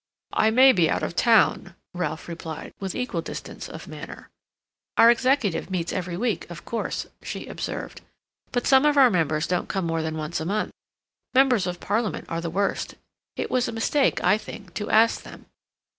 "I may be out of town," Ralph replied, with equal distance of manner. "Our executive meets every week, of course," she observed. "But some of our members don't come more than once a month. Members of Parliament are the worst; it was a mistake, I think, to ask them."